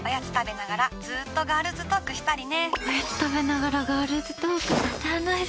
おやつ食べながらずっとガールズトークしたりね。